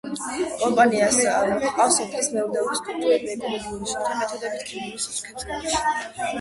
კომპანიას მოჰყავს სოფლის მეურნეობის კულტურები ეკოლოგიურად სუფთა მეთოდებით, ქიმიური სასუქების გარეშე.